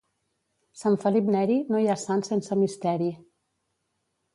Sant Felip Neri no hi ha sant sense misteri.